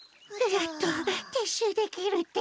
やっとてっしゅうできるってか。